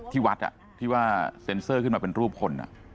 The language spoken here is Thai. ที่วัดที่ว่าเซ็นเซอร์ขึ้นมาเป็นรูปคน